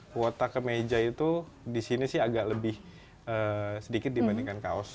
kuota kemeja itu di sini sih agak lebih sedikit dibandingkan kaos